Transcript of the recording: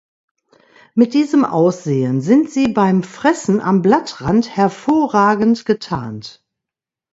Mit diesem Aussehen sind sie beim Fressen am Blattrand hervorragend getarnt.